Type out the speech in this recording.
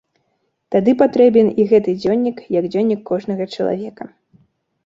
Тады патрэбен і гэты дзённік, як дзённік кожнага чалавека.